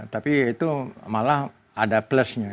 tapi itu malah ada plusnya